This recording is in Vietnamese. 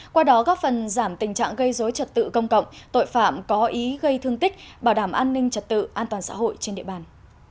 qua đó góp phần giảm tình trạng gây dối trật tự công cộng tội phạm có ý gây thương tích bảo đảm an ninh trật tự an toàn xã hội trên địa bàn